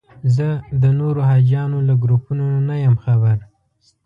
زه د نورو حاجیانو له ګروپونو نه یم خبر.